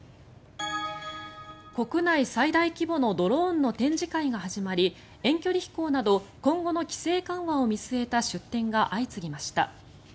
国内最大規模のドローンの展示会が始まり遠距離飛行など今後の規制緩和を見据えた出展が相次ぎました。